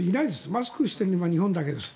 マスクしているのは日本だけです。